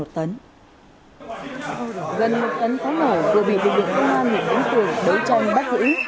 gần một tấn pháo nổ vừa bị lực lượng công an huyện vĩnh tường đấu tranh bắt giữ